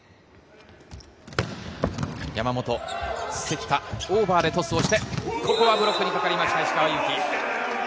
山本、関田、オーバーでトスをして、ここはブロックにかかりました石川祐希。